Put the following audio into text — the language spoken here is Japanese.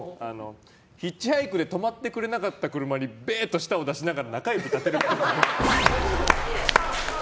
ヒッチハイクで止まってくれなかった車にベーと舌を出しながら中指を立てるっぽい。